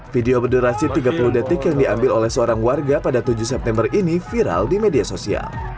video berdurasi tiga puluh detik yang diambil oleh seorang warga pada tujuh september ini viral di media sosial